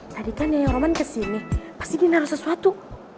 tadi kan nyanyi roman kesini pasti dinaruh sesuatu